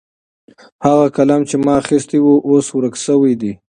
هغه قلم چې ما اخیستی و اوس ورک سوی دی.